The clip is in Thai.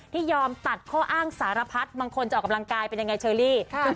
ยอมตัดข้ออ้างสารพัดบางคนจะออกกำลังกายเป็นยังไงเชอรี่